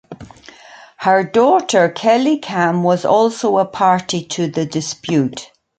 Her daughter Kelly Kam was also a party to the dispute.